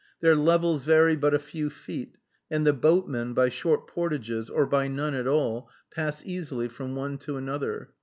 Their levels vary but a few feet, and the boatmen, by short portages, or by none at all, pass easily from one to another.